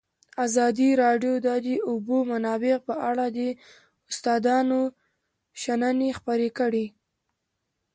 ازادي راډیو د د اوبو منابع په اړه د استادانو شننې خپرې کړي.